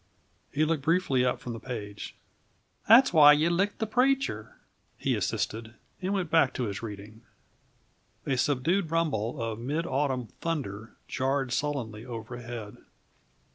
He looked briefly up from the page. "That's why you licked the preacher," he assisted, and went back to his reading. A subdued rumble of mid autumn thunder jarred sullenly overhead.